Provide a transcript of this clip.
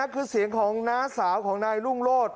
คือเสียงของน้าสาวของนายรุ่งโรธ